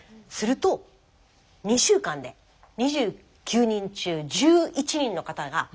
すると２週間で２９人中１１人の方が。